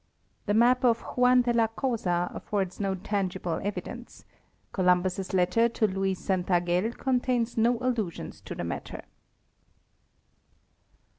The map of Juan de la Cosa affords no tangible evidence; Columbus' letter to Luis Santangel contains no allu sion to the matter.